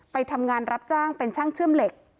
ไปทำงานรับจ้างเป็นช่างเชื่อมเหล็ก